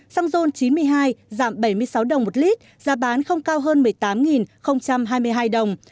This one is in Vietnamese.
xăng ron chín mươi hai giảm bảy mươi sáu đồng một lít giá bán không cao hơn một mươi tám hai mươi hai đồng